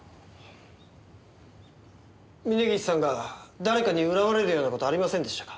峰岸さんが誰かに恨まれるような事はありませんでしたか？